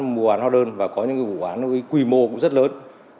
mua bán hóa đơn và có những vụ bán quy mô cũng rất lớn